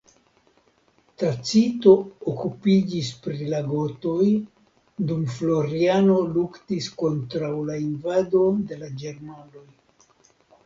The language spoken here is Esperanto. Tacito okupiĝis pri la gotoj dum Floriano luktis kontraŭ la invado de la ĝermanoj.